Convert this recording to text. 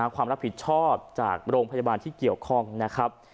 ความรับผิดชอบจากโรงพยาบาลที่เกี่ยวข้องนะครับ